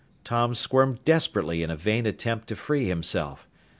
Tom squirmed desperately in a vain attempt to free himself.